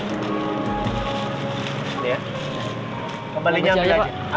ambil aja pak ambil aja ya